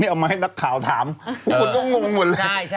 เอามาให้นักข่าวถามทุกคนก็งงหมดแล้ว